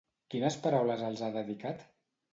Quines paraules els ha dedicat?